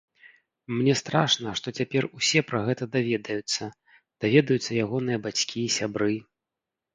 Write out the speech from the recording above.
Мне страшна, што цяпер усе пра гэта даведаюцца, даведаюцца ягоныя бацькі, сябры.